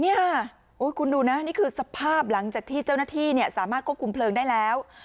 นี่ค่ะคุณดูนะนี่คือสภาพหลังจากที่เจ้าหน้าที่สามารถควบคุมเพลิงได้แล้ว